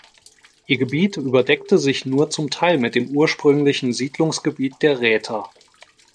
Ihr Gebiet überdeckte sich nur zum Teil mit dem ursprünglichen Siedlungsgebiet der Räter.